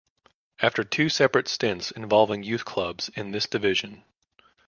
After two separate stints involving youth clubs in this division.